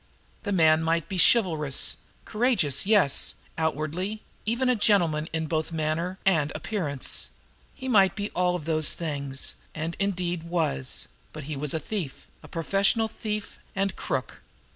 The man might be chivalrous, courageous, yes, outwardly, even a gentleman in both manner and appearance; he might be all those things, and, indeed, was but he was a thief, a professional thief and crook.